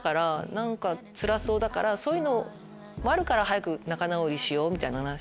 何かつらそうだからそういうのもあるから早く仲直りしよう！みたいな。